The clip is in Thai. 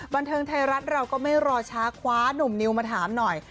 บันเทิงไทยรัฐเราก็ไม่รอช้าคว้านุ่มนิวมาถามหน่อย